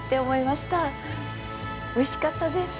おいしかったです！